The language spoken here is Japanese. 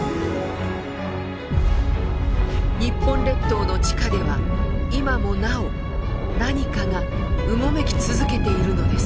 日本列島の地下では今もなお何かがうごめき続けているのです。